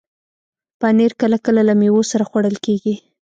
پنېر کله کله له میوو سره خوړل کېږي.